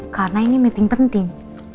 karena ini meeting penting